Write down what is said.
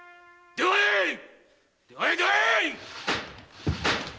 出会え出会え‼